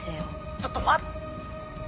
ちょっと待っ！